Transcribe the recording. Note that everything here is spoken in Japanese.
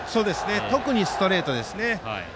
特にストレートですね。